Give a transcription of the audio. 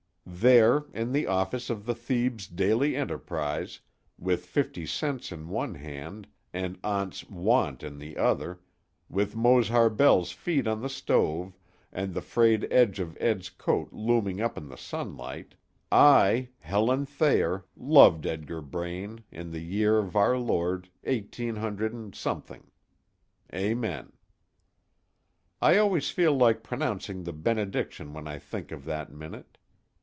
There, in the office of the Thebes Daily Enterprise, with fifty cents in one hand, and Aunt's want in the other, with Mose Harbell's feet on the stove, and the frayed edge of Ed's coat looming up in the sunlight, I, Helen Thayer, loved Edgar Braine, in the year of our Lord, 18 . Amen. I always feel like pronouncing the benediction when I think of that minute.